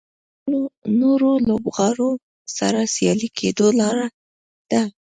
نورو لوبغاړو سره سیال کېدو لاره ده.